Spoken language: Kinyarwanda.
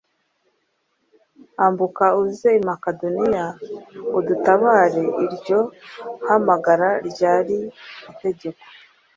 Ambuka, uze i Makedoniya udutabare Iryo hamagara ryari itegeko